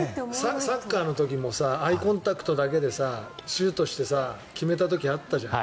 サッカーの時もアイコンタクトだけでシュートして決めた時あったじゃない。